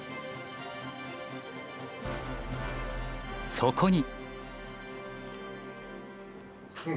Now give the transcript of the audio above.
そこに。